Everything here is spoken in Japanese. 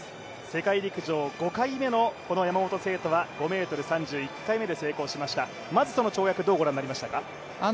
世界陸上５回目の山本聖途は５ｍ３０、１回目で成功しました、まずその跳躍、どう御覧になりましたか？